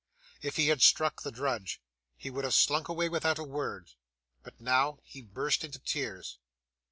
If he had struck the drudge, he would have slunk away without a word. But, now, he burst into tears.